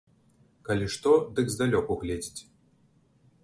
Калі што, дык здалёк угледзіць.